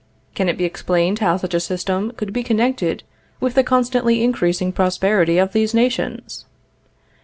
Can it be explained how such a system could be connected with the constantly increasing prosperity of these nations?